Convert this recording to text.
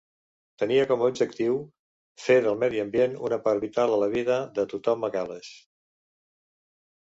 Tenia com a objectiu "fer del medi ambient una part vital a la vida de tothom a Gal·les".